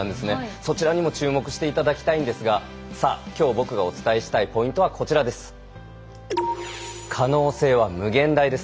そちらにも注目していただきたいんですがさあ、きょう僕がお伝えしたいポイントはこちらです。